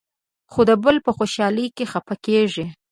خو د بل په خوشالۍ کې خفه کېږي.